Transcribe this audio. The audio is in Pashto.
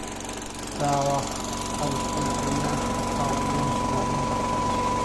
دا وخت الخون هونيان چې پخوا هونيان شمالي هند ته خپاره شول.